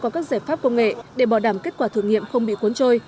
công nghệ để bảo đảm kết quả thử nghiệm không bị cuốn trôi